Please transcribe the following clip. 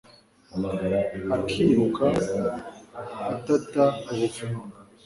Akiruka atata ubuvumo